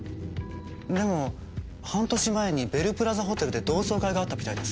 でも半年前にベルプラザホテルで同窓会があったみたいですよ。